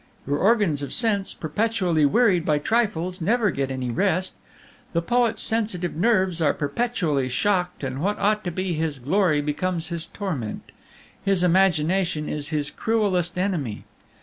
Your organs of sense, perpetually wearied by trifles, never get any rest. The poet's sensitive nerves are perpetually shocked, and what ought to be his glory becomes his torment; his imagination is his cruelest enemy.